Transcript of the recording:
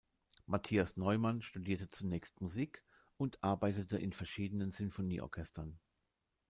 Matthias Neumann studierte zunächst Musik und arbeitete in verschiedenen Sinfonieorchestern.